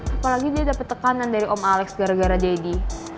apalagi dia dapat tekanan dari om alex gara gara deddy